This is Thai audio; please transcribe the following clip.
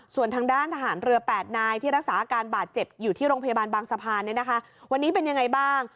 ส่วนทางด้านทหารเรือ๘นายที่รักษาอาการบาดเจ็บอยู่ที่โรงพยาบาลบางสะพานวันนี้เป็นยังไงบ้าง